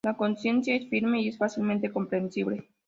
La consistencia es firme y es fácilmente compresible.